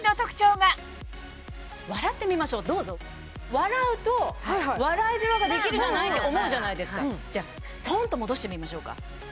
笑うと笑いじわができるじゃないって思うじゃないですかじゃストンと戻してみましょうか。